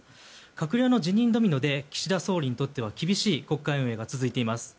閣僚の辞任ドミノで岸田総理にとっては厳しい国会運営が続いています。